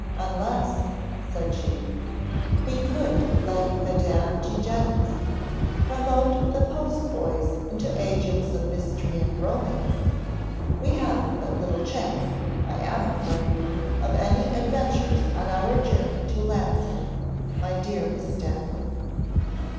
"Unless," said she, "we could like Madame de Genlis, 'promote the post boys into agents of mystery and romance,' we have but little chance, I am afraid, of any adventures on our journey to Llansillen, my dear Miss Stanley."